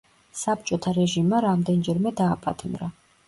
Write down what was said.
საბჭოთა რეჟიმმა რამდენჯერმე დააპატიმრა.